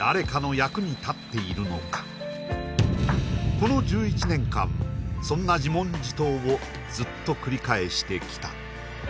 この１１年間そんな自問自答をずっと繰り返してきた